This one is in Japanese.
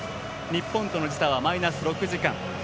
日本との時差はマイナス６時間。